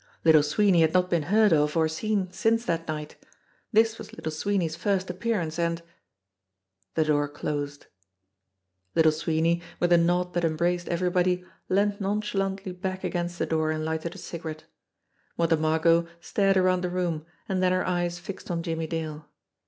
Little Sweeney had not been heard of or seen since that night. This was Little Sweeney's first appearance, and The door closed. LITTLE SWEENEY 133 Little Sweeney, with a nod that embraced everybody, leaned nonchalantly back against the door and lighted a cigarette. Mother Margot stared around the room, and then her eyes fixed on Jimmie Dale.